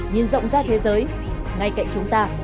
nhìn rộng ra thế giới ngay cạnh chúng ta